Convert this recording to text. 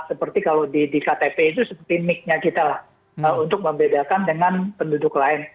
seperti kalau di ktp itu seperti mic nya kita lah untuk membedakan dengan penduduk lain